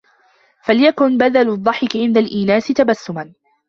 فَلْيَكُنْ بَدَلُ الضَّحِكِ عِنْدَ الْإِينَاسِ تَبَسُّمًا